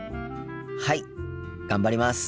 はい頑張ります。